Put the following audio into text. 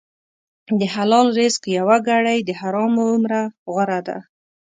د حلال رزق یوه ګړۍ د حرامو عمره غوره ده.